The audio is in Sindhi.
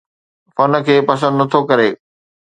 فن کي پسند نٿو ڪري